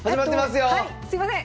すいません！